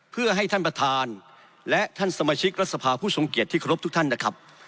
เพื่อให้ท่านประธานและท่านสมาชิกรัฐสภาผู้ทรงเกียจที่ครบทุกท่านนะครับ